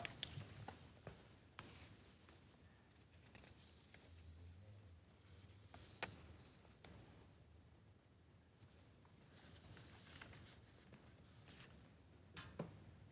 โปรดติดตามตอนต่อไป